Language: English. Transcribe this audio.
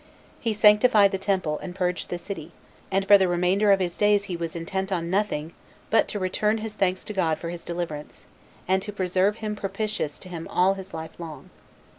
He sanctified the temple, and purged the city, and for the remainder of his days he was intent on nothing but to return his thanks to God for his deliverance, and to preserve him propitious to him all his life long.